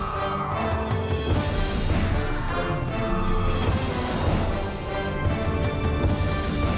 โปรดติดตามตอนต่อไป